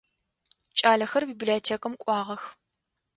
Кӏалэхэр библиотекэм кӏуагъэх.